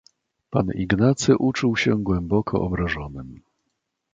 "Pan Ignacy uczuł się głęboko obrażonym."